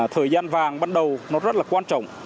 thời gian vàng ban đầu rất quan trọng